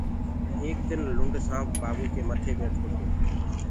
ايڪ دن لُنڊ سآنپ بآگو ڪي متي ٻيٺو تو۔